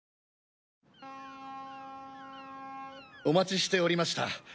お待ちしておりました。